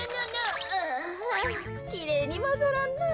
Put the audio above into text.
あきれいにまざらんな。